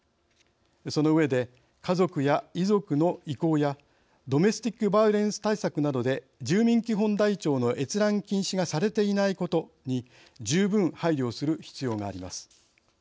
その上で家族や遺族の意向やドメスティックバイオレンス対策などで住民基本台帳の閲覧禁止がされていないことに十分配慮する必要があります。